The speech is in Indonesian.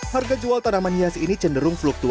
harga jual tanaman hias ini cenderung fluktual